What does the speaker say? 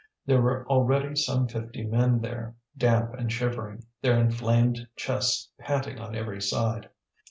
There were already some fifty men there, damp and shivering, their inflamed chests panting on every side.